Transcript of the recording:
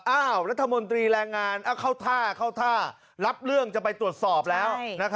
อ้าวรัฐมนตรีแรงงานเข้าท่ารับเรื่องจะไปตรวจสอบแล้ว